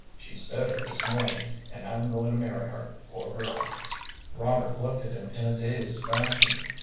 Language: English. She's better this morning, and I'm going to marry her, poor girl." Robert looked at him in a dazed fashion.